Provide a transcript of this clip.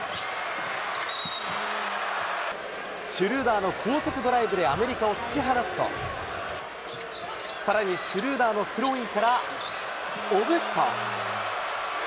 シュルーダーの高速ドライブでアメリカを突き放すと、さらにシュルーダーのスローインから、オブスト。